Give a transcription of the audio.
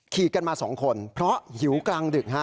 ขี่กันมาสองคนเพราะหิวกลางดึกฮะ